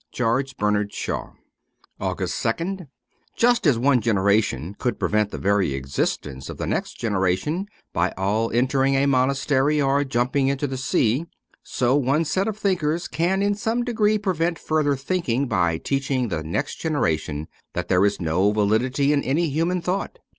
* George Bernard Shaw.' H9 AUGUST 2nd JUST as one generation could prevent the very existence of the next generation, by all entering a monastery or jumping into the sea, so one set of thinkers can in some degree prevent further thinking by teaching the next generation that there is no validity in any human thought.